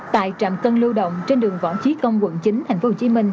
tại trạm cân lưu động trên đường võ chí công quận chín tp hcm